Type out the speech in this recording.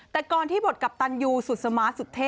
แต่ก่อนที่บทกัปตันยูสุดสมาร์ทสุดเท่